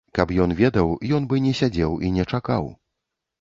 Калі б ён ведаў, ён бы не сядзеў і не чакаў.